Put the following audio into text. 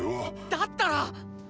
だったら。